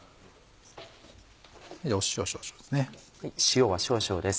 塩少々ですね。